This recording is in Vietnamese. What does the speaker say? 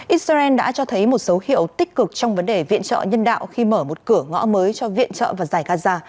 israel đã cho thấy một số hiệu tích cực trong vấn đề viện trợ nhân đạo khi mở một cửa ngõ mới cho viện trợ và giải gaza